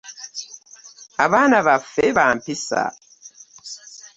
Abaana baffe bampisa.